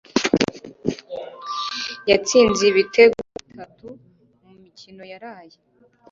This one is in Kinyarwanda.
yatsinze ibitego bitatu mumikino yaraye